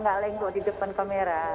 dia kayaknya mau di depan kamera